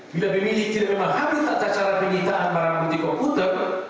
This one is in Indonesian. bila memilih tidak memahami tata cara penyitaan para bukti komputer